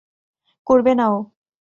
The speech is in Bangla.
করবে না ও।